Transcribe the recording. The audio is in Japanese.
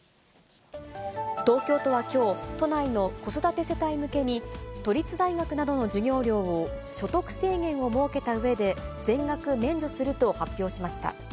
東京都はきょう、都内の子育て世帯向けに、都立大学などの授業料を所得制限を設けたうえで、全額免除すると発表しました。